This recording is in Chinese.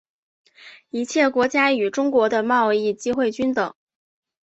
一切国家与中国的贸易机会均等。